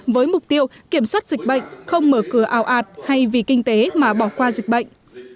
với mục tiêu kiểm soát dịch bệnh không mở cửa ảo ạt hay vì kinh tế mà bỏ qua dịch bệnh